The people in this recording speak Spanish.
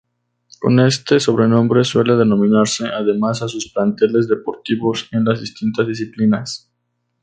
Con este sobrenombre suele denominarse además a sus planteles deportivos en las distintas disciplinas.